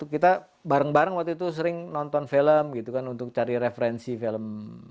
kita bareng bareng waktu itu sering nonton film gitu kan untuk cari referensi film